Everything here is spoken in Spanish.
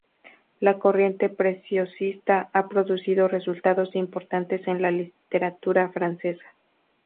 La corriente preciosista ha producido resultados importantes en la literatura francesa.